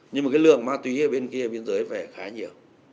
nhưng mà cái lượng ma quý ở bên kia bên dưới phải khá nhiều